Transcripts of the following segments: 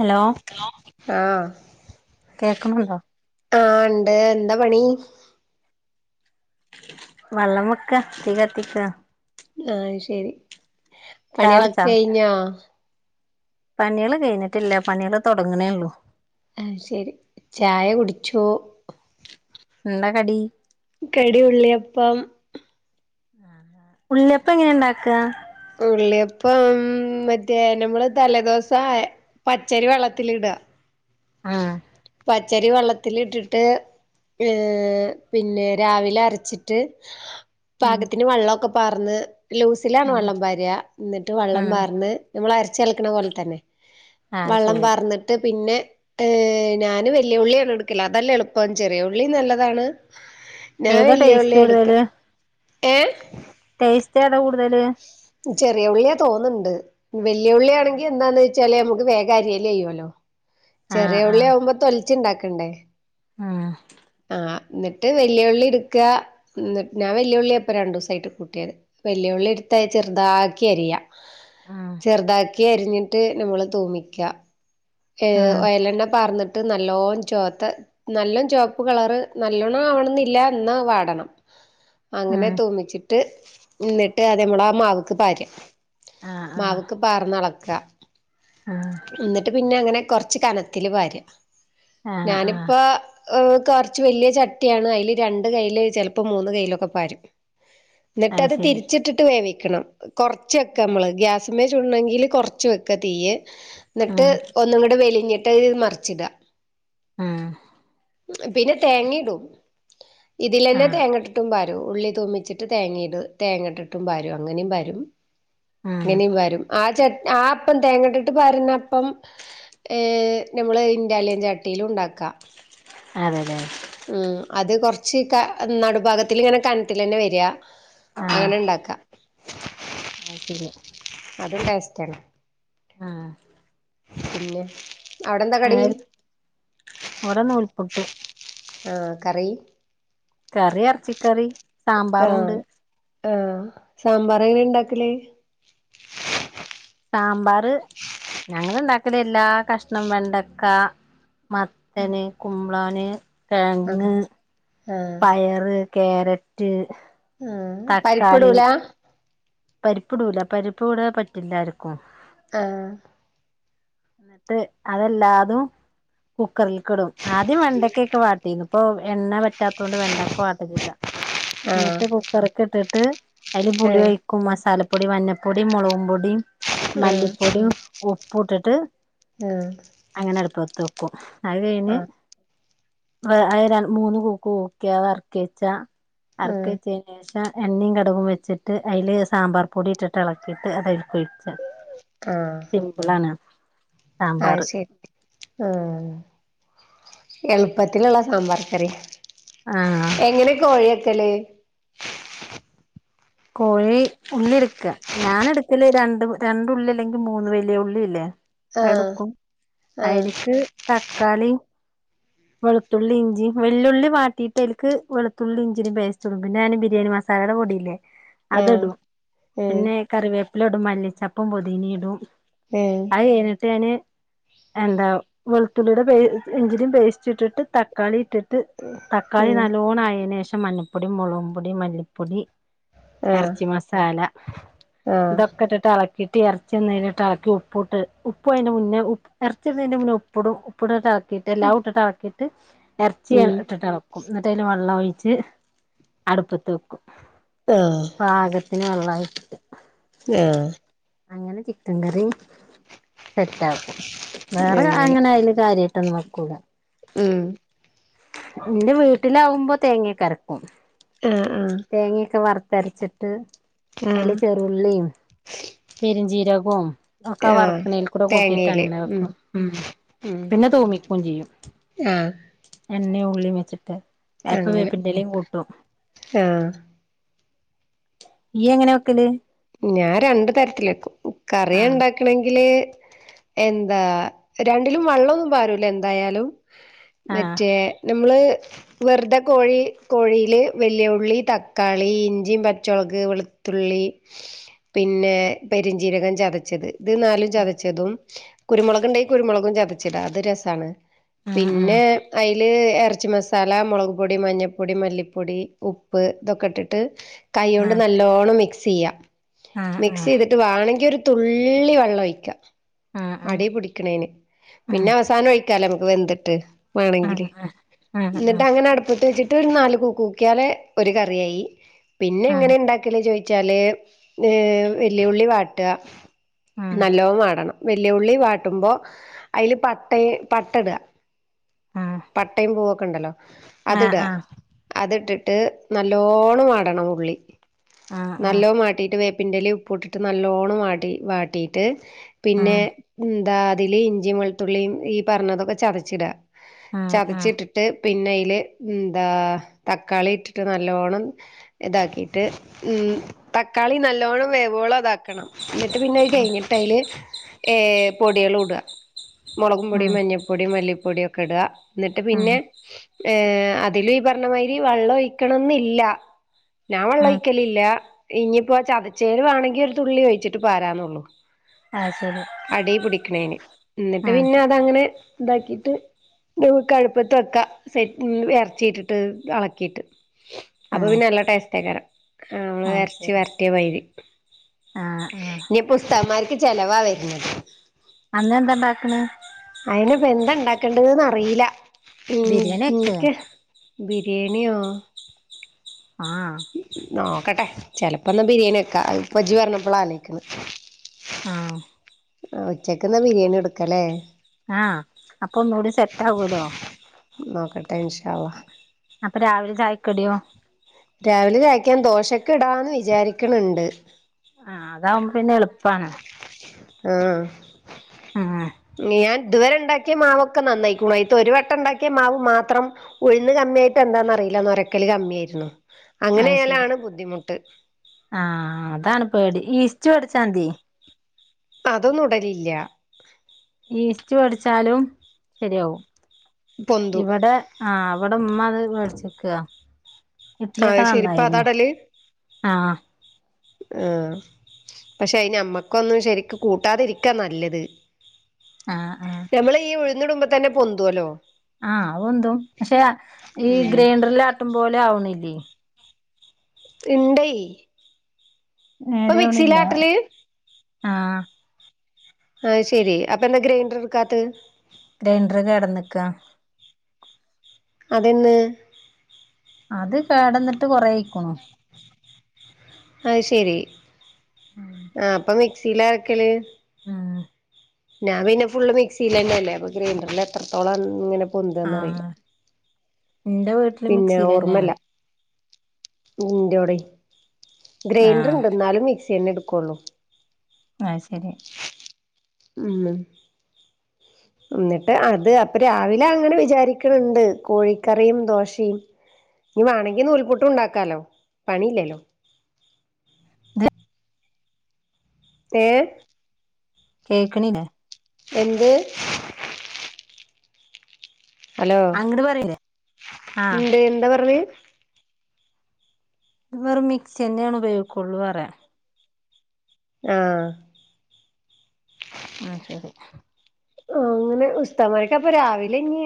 Hello ആഹ് കേൾക്കുന്നുണ്ടോ ആ ഇണ്ട് എന്താ പണി വള്ളം വെക്ക തീ കത്തിക്കാ ആ ശരി ചായ പണികളൊക്കെ കെഴിഞ്ഞോ? പണിയള് കഴിഞ്ഞിട്ടില്ല പണിയള് തൊടങ്ങ്ണേള്ളൂ ആഹ് ശെരി ചായ കുടിച്ചോ? എന്താ കടി കടി ഉള്ളിയപ്പം ഉള്ളിയപ്പം എങ്ങനെ ഇണ്ടാക്ക ഉള്ളിയപ്പം ഉം മറ്റേ, നമ്മള് തലേദിവസം പച്ചരി വെള്ളത്തിലിട ആഹ് പച്ചരി വെള്ളത്തിലിട്ടിട്ട് ഏ പിന്നെ രാവിലെ അരച്ചിട്ട് ഉം പാകത്തിന് വെള്ളമൊക്കെ പാർന്ന് ലൂസിലാണ് ഉം വെള്ളം പാര എന്നിട്ട് വെള്ളം ഉം പാർന്ന് നമ്മൾ അരച്ച് കലക്കണ പോലെ തന്നെ ആഹ് വള്ളം ശരി പാർന്നിട്ട് പിന്നെ ഏഹ് ഞാന് വല്യ ഉള്ളിയാണ് എടുക്കല് അതല്ലേ എളുപ്പം ചെറിയ ഉള്ളിംനല്ലതാണ് ഞാൻ ഏതാ ഇല്ലേ ഉള്ളി ടേസ്റ്റ് എടുക്ക ഏ ടേയ്സ്റ്റ്‌ ഏത കൂട്തല് ചെറിയ ഉള്ളിയ തോന്ന്ണ്ട് വെല്യള്ളിയാണെങ്കി എന്താന്ന് ചല് നമുക്ക് വേഗം അരിയെ ചെയ്യല്ലോ ആഹ് ചെറിയ ഉള്ളി ആവുമ്പോ തൊലിച്ചുണ്ടാക്കണ്ടേ? ആ ആഹ് ന്നിട്ട് വെല്ലുളളി ഇട്ക്ക ന്ന് ഞാൻ വെല്ലുളിയ ഇപ്പം രണ്ടൂസായിട്ട് കൂട്ടിയത് വല്യ ഉള്ളി എട്ത്ത് അത് ചെർതാക്കി അരിയാ [inaudible] ഉം ചെറുതാക്കി അരിഞ്ഞിട്ട് നമ്മള് തൂമിക്ക്യാ ഏ ഉം വയലെണ്ണ പാർന്നിട്ട് നല്ലോ ചോത്ത നല്ലം ചോപ്പ് കളറ് നല്ലോണം ആവണന്നില്ല ഇന്നാവാടണം ഉം അങ്ങനെ തോമ്മിച്ചിട്ട് ഇന്നിട്ട് അത് നമ്മളാമാവിലേക്ക് പാര ആഹ് മാവ്ക്ക് പാർന്നളക്ക ആ എന്നിട്ട് പിന്നെ അങ്ങനെ കൊറച്ച് കനത്തില് പാര ആഹ് ആഹ് ഞാനിപ്പോ ഏഹ് കൊർച്ച് വല്ലിയ ചട്ടിയാണ് അതില് രണ്ട് കൈയില് ചെല്പ്പോ മൂന്ന് കൈയിലൊക്കെ പാരും. അത് ഇന്നട്ടത് ശരി തിരിച്ചിട്ടിട്ട് വേവിക്കണം കൊറച്ചൊക്ക നമ്മള് ഗ്യാ സിമ്മേ ചുടണെങ്കിൽ കൊർച്ച് വയ്ക്ക തീയ്യ് ഇന്നട്ട് ഉം ഒന്നൂങ്ങുടെ വെലിഞ്ഞിട്ട്ത് മറിച്ചിട ആ പിന്നെ തേങ്ങ ഇടും ഇതിലെന്നെ ആഹ് തേങ്ങടും ഇട്ടും പാരും ഉള്ളി തുമമിച്ചിട്ട് തേങ്ങയിടും തേങ്ങട്ടിട്ടും പാരും അങ്ങനും പാരും ഉം ഇങ്ങനെയും പാരും ആ ചെ ആ അപ്പം തേങ്ങട്ടിട്ട് പാരുന്നപ്പം ഏഹ് നമ്മള് ഇൻ്റാലിയൻ ചട്ടിയിലും ഇണ്ടാക്കാ. അതെലേ ഉം അത് കൊറച്ച് നടുഭാഗത്തിൽ ഇങ്ങനെ കനത്തിലെന്നെ വെര അങ്ങനെ ഉണ്ടാക്ക ആ ശരി അതും ടേസ്റ്റ് ആണ് ആ പിന്നെ അവിടെന്താ കടി ആഹ് ഇവിടെ നൂൽപുട്ട് ആ കറി കറി ഇറച്ചിക്കറി ആ ആ സാമ്പാറെങ്ങനെ ഇണ്ടാക്കല് സാമ്പാർ ഞങ്ങള് ഇണ്ടാക്കലെല്ലാകഷ്ണം വെണ്ടക്ക മത്തന് കുമ്പളാന് കിഴങ്ങ് ആഹ് ആഹ് പയറ്, ക്യാരറ്റ് ആഹ് പരിപ്പിടൂല്ലാ പരിപ്പ് ഇടൂല പരിപ്പ് ഇവിടെ പറ്റില്ല ആർക്കും ആഹ് എന്നിട്ട് അതെല്ലാതും കുക്കറിൽക്ക് ഇടും ആദ്യം വെണ്ടക്കൊക്കെ വാട്ടിന്ന് ഇപ്പൊ എണ്ണ പറ്റാത്തത് കൊണ്ട് വെണ്ടക്ക വാട്ടലില്ല ആഹ് എന്നിട്ട് കുക്കറൊക്കെ ഇട്ടിട്ട് അതില് പുളി ഏഹ് മസാലപ്പൊടി മഞ്ഞപ്പൊടി മുളകു പൊടി ഏഹ് മല്ലിപ്പൊടി ഉപ്പും ഇട്ടിട്ട് ഏഹ് അങ്ങനെ അടുപ്പത്ത് വെയ്ക്കും അത് കഴിഞ്ഞ് ആഹ് അത് രണ്ട് മൂന്ന് കൂക്ക് കൂക്കിയ ഇറക്കി വെച്ചാ ഇറക്കി ആഹ് വെച്ചതിന് ശേഷം എണ്ണയും കടുകും വെച്ചിട്ട് അതില് സാമ്പാർ പൊടി ഇട്ടിട്ട് ഇളക്കിയിട്ട് അത് [unintelligible] സിമ്പളാണ് ആ അത് ശരി ആഹ് എളുപ്പത്തിലുള്ള സാമ്പാർ കറി ആഹ് എങ്ങനെയാ കോഴി വെക്കല് കോഴി ഉള്ളി എടുക്കാ ഞാന് എടുക്കല് രണ്ട് രണ്ടുള്ളി അല്ലെങ്കിൽ മൂന്ന് വലിയ ഉള്ളില്ലേ ആഹ് എടുക്കും ആഹ് അയ്ൽക്ക് തക്കാളിയും വെളുത്തുള്ളി ഇഞ്ചി വെല്ലുള്ളി മാറ്റിയിട്ട് അയ്ക്ക് വെളുത്തുള്ളി ഇഞ്ചിടെയും പേസ്റ്റ് ഇടും പിന്നെ ഞാൻ ബിരിയാണി മസാല [unintelligible] പൊടിയില്ലേ അത് ആഹ് ഇടും ഉം പിന്നെ കറിവേപ്പില ഇടും മല്ലിച്ചെപ്പ് പൊതിന ഇടും ഉം അത് കഴിഞ്ഞിട്ട് ഞാന് എന്താ വെളുത്തുള്ളിയുടെ പേസ് ഇഞ്ചിടെയും പേസ്റ്റ് ച്ചിട്ടിട്ട് തക്കാളി ഇട്ടിട്ട് തക്കാളി ഉം നല്ലോണം ആയതിന് ശേഷം മഞ്ഞ പൊടി മുളകു പൊടി മല്ലിപ്പൊടി ആഹ് എർച്ചി മസാല ആഹ് ഇതൊക്കെ ഇട്ടിട്ട് എള കിട്ടി എർച്ചി ഒന്ന് ഇളക്കി ഉപ്പിട്ട് ഉപ്പ് അതിൻ്റെ മുന്നേ ഉപ്പ് ഇറച്ചി ഇടുന്നതിൻ്റെ മുന്നേ ഉപ്പിടും ഉപ്പിട്ട് ഇളക്കിയിട്ട് എല്ലാം ഇട്ടിട്ട് ഇളക്കിയിട്ട് ഇറച്ചി ഉം ഇട്ടിട്ട് ഇളക്കും ക്കും എന്നിട്ട് അതിൽ വെള്ളം ഒഴിച്ച് അടുപ്പത്ത് വെക്കും ആഹ് പാകത്തിന് വെള്ളായിട്ടിട്ട് ആഹ് അങ്ങനെ ചിക്കൻ കറി സെറ്റ് ആക്കും വേറെ അങ്ങനെ അതില് കാര്യമായിട്ടൊന്നും വെക്കൂല ഉം ഇന്റെ വീട്ടിലാവുമ്പോ തേങ്ങ ഒക്ക അരക്കും ആഹ് ആഹ് തേങ്ങയൊക്കെ വറുത്തരച്ചിട്ട് ആഹ് അതില് ചേർ ഉള്ളിയും പെരിഞ്ചീരകവും ഒക്കെ ആ ആഹ് വർക്കണതിൽ കൂടെ കൂട്ടിയിട്ട് തേങ്ങയില് അങ്ങനെ ഉം വെക്കും ഉമ് ഉം പിന്നെ തുമിക്കും ചെയ്യും ആഹ് എണ്ണയും ഉള്ളിയും വെച്ചിട്ട് ചിലപ്പോ അങ്ങനെ വേപ്പിന്റെ ഇലയും കൂട്ടും ആഹ് യ്യി എങ്ങനെയാ വെക്കല് ഞാൻ രണ്ടു തരത്തില് വെക്കും കറിയാ ആഹ് ഉണ്ടാക്കണെങ്കില് എന്താ രണ്ടിലും വെള്ളമൊന്നും പാറൂല എന്തായാലും ആഹ് മറ്റേ നമ്മള് വെറുതെ കോഴി കോഴിയില് വലിയ ഉള്ളി തക്കാളി ഇഞ്ചിയും പച്ചമുളക് വെളുത്തുള്ളി ത്തുള്ളി പിന്നെ പെരിഞ്ചീരകം ചതച്ചത് ഇത് നാലും ചതച്ചതും കുരുമുളക് ഉണ്ടെിൽ കുരുമുളകും ചതച്ചിടാ അത് രസാണ് ആഹ് ആഹ് പിന്നെ അതില് ഇതില് ഇറച്ചി മസാല മുളക്പൊടി മഞ്ഞപ്പൊടി മല്ലിപ്പൊടി ഉപ്പ് ഇതൊക്കെ ഇട്ടിട്ട് കൈ കൊണ്ട് നല്ലോണം മിക്സ് ചെയ്യുക ആഹ് മിക്സ് ആഹ് ചെയ്തിട്ട് വേണങ്കി ഒരു തുള്ളി വള്ളം ഒഴിക്കാം ആഹ് ആഹ് അടീപിടിക്ക്‌ണേന് ആഹ് പിന്നെ അവസാനം ഒഴിക്കാലോ നമുക്ക് വെന്തിട്ട് വേണെങ്കില് ആഹ് ആഹ് ആഹ് എന്നിട്ട് അങ്ങനെ അട്പ്പത്ത് വെച്ചി ട്ട് ഒരു നാല് കൂക്കിയാല് ഒരു കറിയായി. പിന്നെ എങ്ങനെ ആഹ് ആഹ് ണ്ടാക്കല് ചോയിച്ചാല് ഏ വെല്യോള്ളി വാട്ടാ നല്ലോണം വാടണം വല്യ ഉള്ളി വാട്ടുമ്പോ അയില് പട്ട പട്ട ഇട ആഹ് ആഹ് പട്ടയും പൂവൊക്കെ ഇണ്ടല്ലോ ആഹ് ആഹ് അത്ടാ ആഹ് ആഹ് ആഹ് അത്ട്ടിട്ട് നല്ലോണം വാടണം ഉള്ളി ആ ഹാ നല്ലോ വാട്ടീട്ട് വേപ്പിൻ്റലിം ഉപ്പ് ഇട്ടിട്ട് നല്ലോണം വാടി വാട്ടി ട്ട് പിന്നെ ന്താ അതില് ഇഞ്ചിയും വെളുത്തുള്ളിയും ഈ പറഞ്ഞതൊക്കെ ചതച്ചിടാ. ആഹ് ആഹ് ആഹ് ചതച്ചിട്ടിട്ട് പിന്നെ അയില് എന്താ തക്കാളി ഇട്ടിട്ട് നല്ലോണം ഇതാക്കിയിട്ട് ഉം തക്കാളി നല്ലോണം വേവോളം താക്കണം. ന്നിട്ട് പിന്നെ അഹ്‌ കെഴിഞ്ഞിട്ട് ന്നട്ട് അയില് ഏ പൊടികള് ഇടുക മുളകും പൊടി ആഹ് മഞ്ഞപ്പൊ ടിം മല്ലിപ്പൊടിം ഒക്കെ ഇടാ ന്നട്ട് പിന്നെ ആഹ് ഏ അതില് ഈ പറഞ്ഞമാതിരി വെള്ളം ഒഴിക്കണംന്നില്ല ഞാൻ വള്ളം ആഹ് ഒഴിക്കലില്ല ഇഞ്ഞിപ്പോ ചതച്ചേല് വേണങ്കി ഒരു തുള്ളി ഒഴിച്ചിട്ട് പാരാ ന്നൊള്ളൂ അത് ശരി അടീ പിടിക്ക്‌ണേന് എന്നിട്ട് ആഹ് പിന്നെ അതങ്ങനെ ഇതാക്കിട്ട് ഇനി ഇപ്പൊ അടുപ്പത്തു വെക്ക സെറ്റ് എറച്ചിട്ടിട്ട് ഇളക്കിയിട്ട് അപ്പൊ ആഹ് പിന്നെ നല്ല ടേസ്റ്റേക്കാരാം അ മ്മള് അത് എർ ച്ചി ശരി വരട്ടിയ മായിരി. ആഹ് ആഹ് ഇനിപ്പോ ഉസ്താ മ്മാർക്ക് ചെലവാ വര്ണെത് അന്ന് എന്താണ്ടാക്ക്‌ണ് അയിന് ഇപ്പ എന്താ ഉണ്ടാക്കേണ്ടത് ന്നറീ ല്ല ഉം ബിരിയാണി വെക്ക് എൻക്ക് ബിരിയേണിയോ ആഹ് നോക്കട്ടെ ചെലപ്പോ ഇന്ന് ബിരിയേണി വക്കാ അത് ഇജ്ജ് പറഞ്ഞപ്പോളാ ആലോയ്ക്ക്‌ ണ് ആഹ് ആ ഉച്ചക്ക്ന്ന ബിരിയാണി കൊടുക്കലേ ആ അപ്പൊ ഒന്നൂടെ സെറ്റ് ആകോലോ നോക്കട്ടെ ഇൻഷാ അള്ളാ അപ്പൊ രാവിലെ ചായക്കടിയോ രാവിലെ കാഴിക്കാൻ ദോശക്ക്‌ ഇടാന്ന് വിചാരിക്ക്‌ണ് ണ്ട്. ആഹ് അതാവുമ്പോ പിന്നെ എളുപ്പാണ്. ആഹ്, ആഹ് ഞ് യാൻ ഇതുവരെ ഉണ്ടാക്കിയ മാവൊക്കെ നന്നായിക്ക്‌ണു ഒരു വട്ടം ഉണ്ടാക്കിയ മാവ് മാത്രം ഉഴുന്ന് കമ്മിയായിട്ട് എന്താന്ന്റിയില്ല നരക്കല് കമ്മിയ ആയിരുന്നു അങ്ങനെ ആയാലാണ് ബുദ്ധിമുട്ട് ആ അതാണ് പേടി ഈസ്റ്റ് വെടിച്ചാമതി അതൊന്നുംടലില്ല ഈസ്റ്റ് വെടി ച്ചാലും ശരിയാവും പൊന്തും ഇവിടെ ആ ഇവിടെ ഉമ്മ അത് വേടിച്ചക്കാ ഇഡ്ഡ്ലിക്കെ അത് ശരി ഇപ്പ അതാ നന്നായീന്നു ഇടല് ആ ആഹ് പക്ഷെ അയിന് നമ്മക്കൊന്നും ശരിക്ക് കൂട്ടാതിരിക്കാ നല്ലത് ആഹ് ആഹ് നമ്മൾ ഈ ഉഴുന്നിടുമ്പോ തന്നെ പൊന്തോ ല്ലോ ആഹ്, അഹ്‌ പൊന്തും. പക്ഷെ ഈ ഗ്രൈൻണ്ടറിൽ ആട്ടും പോലെ ആവണില്ലേയ് ഇണ്ടേയ് നേരാവ്ണില്ല ആഹ് ആയ് ശെരി അപ്പൊ എന്താ ഗ്രൈൻഡർ ഇട്ക്കാത്തെ ഗ്രൈൻഡർ കേടന്നക്കാ അതേന്ന് അത് കേടെന്ന്ട്ട് കൊറേയ്ക്കുണു അത് ശെരി ആഹ് അപ്പം മിക്സീലാ ആക്കല് ഉം ഞാൻ പിന്നെ ഫുള്ള് മിക്സീലെന്നെല്ലേ അപ്പൊ ഗ്രൈൻഡെർലെത്രത്തോളം ഇങ്ങനെ പൊന്താെന്നറീലാ ആഹ് ഇന്റെ വീട്ടില് പിന്നെ മിക്സിയിലെന്നെയാണ് ഓർമ്മെല്ലാ ഇന്റോടെ ഗ്രൈൻഡർ ആഹ് ഉണ്ട് എന്നാലും മിക്സി ന്നെ എടുക്കുള്ളൂ അയ് ശരി ഉമ് [inaudible] ഉം ന്നിട്ട് അത് അപ്പൊ രാവിലെ അങ്ങെനെ വിചാരിക്ക്ണ്‌ണ്ട് കോഴിക്കറിയും ദോശെയും ഞ്ഞ് മാണെങ്കി നൂൽ പുട്ടുണ്ടാക്കാലോ പണിയില്ലല്ലോ [unintelligible] ഏഹ് കേക്ക്ണില്ലെ എന്ത് ഹലോ അങ്ങട് പറയില്ലേ ആഹ് എന്ത് എന്താ പറഞ്ഞത് ത് വെറും മിക്സിന്നേണ് ഉപയോഗിക്കാെള്ളൂ പറ്യാ ആഹ് ഉം ശെരി ആഹ് അങ്ങെനെ ഉസ്താമാര്ക്ക് അപ്പൊ രാവിലെ ഇഞ്ഞ്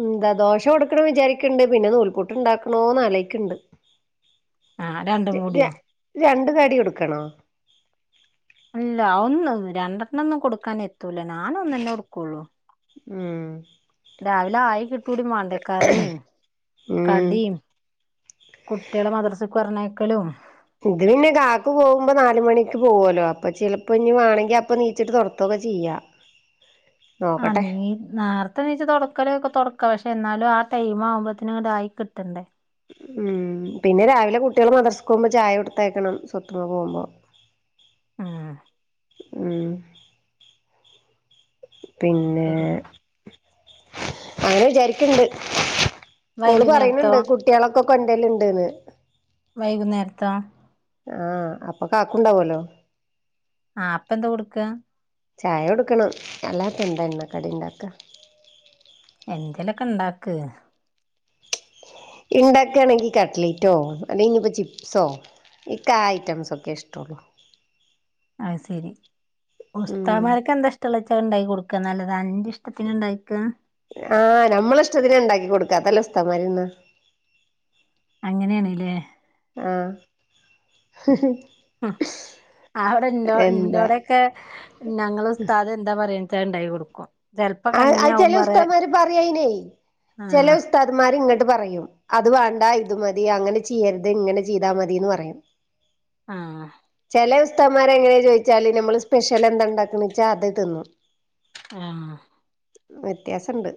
ഉം ന്താ ദോഷ കൊട്ക്കണം വിചാരിക്ക്ണ്ട് പിന്നെ നൂൽപുട്ട് ഇണ്ടാക്കണോന്ന് ആലോയ്ക്ക്ണ്ട് ആഹ് രണ്ടും ര കൂടിയോ രണ്ട് കട്യൊട്ക്കണോ? ഇല്ല ഒന്ന് രണ്ടർണ്ണൊന്നും കൊടുക്കാനെത്തൂല നാനൊന്നെന്നെ കൊട്ക്കാെള്ളൂ ഉം രാവിലെ ആയി കിട്ടൂടി മാണ്ടേ കറിം ഉം കടിം കുട്ട്യേളെ മദ്റസ്ക്ക് പർഞ്ഞയക്കലും ഇത് പിന്നെ കാക്കു പോകുമ്പോ നാല് മണിക്ക് പോകല്ലോ അപ്പൊ ചിലപ്പൊ വേണെങ്കി നീച്ചിട്ട് തൊടകോ കെ ചെയ്യാ ആഹ് നോക്കട്ടെ നീ നേർ നേരത്തെ എണീറ്റു തുടക്കലേ ഒക്കെ തുടക്ക പക്ഷെ എന്നാലും ആ ടൈം ആവുമ്പോഴേക്കും ആയി കിട്ടണ്ടേ ഉം ഉം പിന്നെ രാവിലെ കുട്ട്യേള് മദ്രസ്ക്കാേവുമ്പം ചായൊട്ത്തയ്ക്കണം സ്വത്തുമ്മ പോവുമ്പം ആഹ് ഉം പിന്നേ ശരി അങ്ങെനെ വിചാരിക്ക്ണ്ട് ഓള് വൈകുന്നേരത്തോ പറീണ്‌ണ്ട് കുട്ട്യാളൊക്കെ കൊണ്ടര്ല്ണ്ട്ന്ന് വൈകുന്നേര്ത്താേ ആഹ് അപ്പൊ കാക്കു ഉണ്ടാവല്ലോ ആഹ് അപ്പെന്താ കൊട്ക്കാ ചായ കൊട്ക്കണം അല്ലാതെപ്പെന്ത എണ്ണ കടിണ്ടാക്ക എന്തെലൊക്കെണ്ടാക്ക് ഇണ്ടാക്കാണെങ്കി കട്ട്ലെയ്റ്റോ അല്ലെങ്കിഞ്ഞ്പ്പോ ചിപ്സോ ഇൻക്കാ ഐറ്റംസൊക്കെ ഇഷ്ടൊള്ളൂ അത് സെരി ഉം ഉസ്താമാര്ക്കെന്താ ഇഷ്ടെള്ളെച ണ്ടാക്കി കൊട്ക്കാന്നല്ലതാതെ അന്റെ ഇഷ്ടത്തിന്ണ്ടാക്കാ ആഹ് നമ്മളെ ഇഷ്ടത്തിന്ണ്ടാക്കി കൊട്ക്കാ അതെല്ലേ ഉസ്താമാര്ന്നാ അങ്ങെനേണ് ലേ ആഹ് അഹ് അവ്ടെ ന്റോ എന്താ ന്റോടെ ക്കെ ഞങ്ങളെ ഉസ്താദ് എന്താ പറിയ്ണ്ച്ചാ അത് ണ്ടാക്കി കൊട്ക്കും ആ അഹ് ചെലെ ഉസ്തമാര് പറയയിനേ ചെലെ ആഹ് ഉസ്താ ഉസ്താദ് മാരി ഇങ്ങട്ട് പറയും അത് വേണ്ടാ ഇത് മതി അങ്ങനെ ചെയ്യരുത് ഇങ്ങനെ ചെയ്താ മതിന്ന് പറയും ആഹ് ചെലെ ഉസ്തമാരെ എങ്ങനാ ചോയിച്ചാല് നമ്മള് സ്പെഷ്യൽ എന്താ ഉണ്ടാക്കണ് ച്ചാ അത് തിന്നു ആ വ്യത്യാസണ്ട്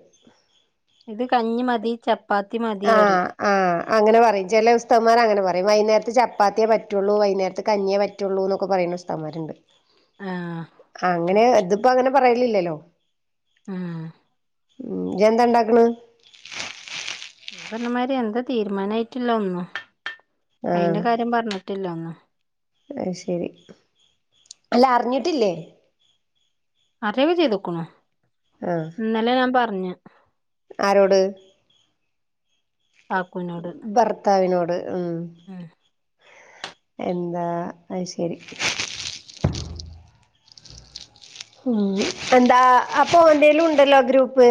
ഇത് കഞ്ഞി മതി ചപ്പാത്തി മതിയറിം ആ അങ്ങനെ പറയും ചെലെ ഉസ്താദ്മാര് അങ്ങനെ പറയും വൈന്നാരത്ത് ചപ്പാത്തിയേ പറ്റുള്ളൂ വൈന്നേരത്ത് കഞ്ഞിയേ പറ്റൂ റ്റുള്ളൂ ന്നൊക്കെ പറയണാ ഉസ്താദ് മാരുണ്ട് ആഹ് അങ്ങനെ ഇതിപ്പോ അങ്ങനെ പറയലില്ലലോ ഉം ഇജ്ജ്ന്താ ണ്ടാക്ക്ണ് ഈ പറഞ്ഞമാരി എന്താ തീരുമാനായിട്ടില്ലതോനുന്നു അയിന്റെ ആഹ് കാര്യം പറഞ്ഞിട്ടി ല്ലാന്നു അത് ശരി അല്ല അറിഞ്ഞിട്ടില്ലേ അറിയൊക്കെ ചെയ്ത്ക്കുണു ആഹ് ഇന്നലെ ഞാൻ പറഞ്ഞ് ആരോട് കാക്കൂനോട് ഭർത്താവിനോട് മ് [inaudible] എന്താ അത് ശരി ഉ എന്താ അപ്പൊന്റെ ലും ണ്ടല്ലോ ഗ്രൂപ്പ്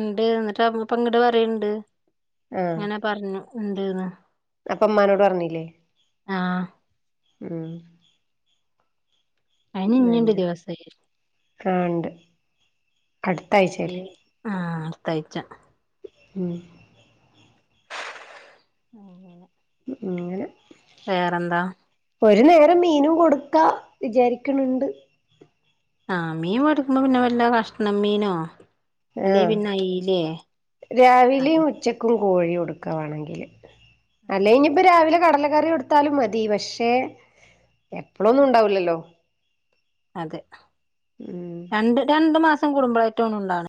ണ്ട് ന്നിട്ട് അമ്മ പ്പ ങ്ങട്ട് പറയ് ണ്ട് അങ്ങനെ പറഞ്ഞു ണ്ട്ന്ന് അപ്പമ്മാനോട് പറഞ്ഞില്ലേ ആഹ് ഉമ് അയിന് ഇഞ്ഞിണ്ട് അങ്ങനെ ദിവസയ് ആഹ് ണ്ട് അടുത്ത ആഴ്ച ഈ ആഹ് അടുത്തായിച്ച ഉമ് അങ്ങനെ ങ്ങനെ വേറെന്താ ഒരു നേരം മീനും കൊടുക്കാ വിചാരിക്ക്ണ് ണ്ട് ആഹ് മീൻ വേടിക്കുമ്പോ പിന്നെ വല്ല കഷ്ണം മീനോ അല്ലെ ആഹ് പിന്നെ അയിലേ അത് രാവിലിം ഉച്ചക്ക് കോഴി കൊടുക്ക വാണെങ്കില് അല്ലെങ്കി പ്പ രാവിലെ കടല കറി കൊടു ത്താലും മതി പക്ഷേ എപ്പോളോന്നും ഉണ്ടാവൂല്ല ല്ലോ അതെ ഉം രണ്ട് രണ്ടു മാസം കൂടുംബളേറ്റെ ഉണ്ടാവ്ണ്